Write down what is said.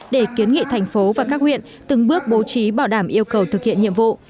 để kiến nghị thành phố và các huyện từng bước bố trí bảo đảm yêu cầu thực hiện nhiệm vụ